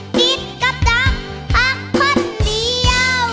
ผิดกับดังพักคนเดียว